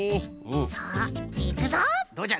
さあいくぞポン！